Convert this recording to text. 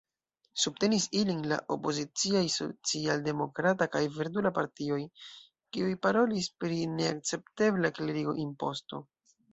Subtenis ilin la opoziciaj Socialdemokrata kaj Verdula Partioj, kiuj parolis pri neakceptebla klerigo-imposto.